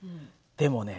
でもね